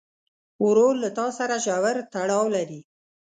ورور له تا سره ژور تړاو لري.